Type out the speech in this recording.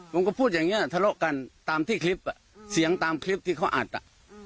ผมก็พูดอย่างนี้ทะเลาะกันตามที่คลิปอ่ะเสียงตามคลิปที่เขาอัดอ่ะ